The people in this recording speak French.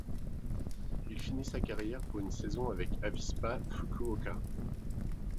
Il finit sa carrière pour une saison avec Avispa Fukuoka.